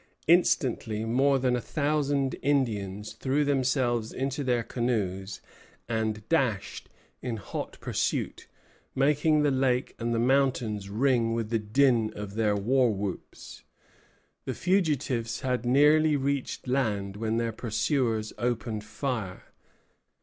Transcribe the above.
Instantly more than a thousand Indians threw themselves into their canoes and dashed in hot pursuit, making the lake and the mountains ring with the din of their war whoops. The fugitives had nearly reached land when their pursuers opened fire.